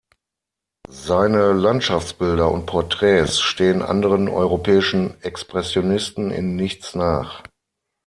Seine Landschaftsbilder und Porträts stehen anderen europäischen Expressionisten in nichts nach.